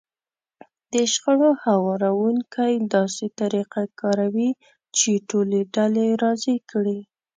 د شخړو هواروونکی داسې طريقه کاروي چې ټولې ډلې راضي کړي.